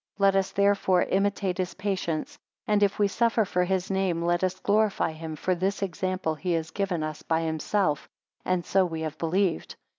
6 Let us therefore imitate his patience; and if we suffer for his name, let us glorify him; for this example he has given us by himself, and so have we believed.